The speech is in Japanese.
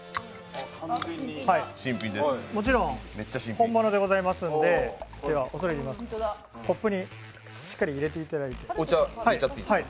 もちろん本物でございますんで恐れ入ります、コップにしっかり入れていただいて。